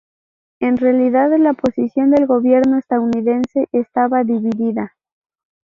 En realidad, la posición del gobierno estadounidense estaba dividida.